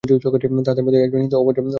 তাঁহাদের মধ্যে একজন হিন্দু, অপরজন জৈন।